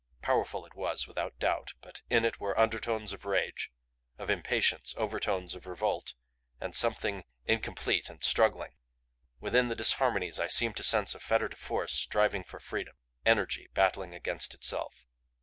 Powerful it was, without doubt, but in it were undertones of rage, of impatience, overtones of revolt, something incomplete and struggling. Within the disharmonies I seemed to sense a fettered force striving for freedom; energy battling against itself.